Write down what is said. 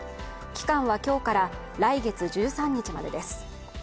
期間は、今日から来月１３日までです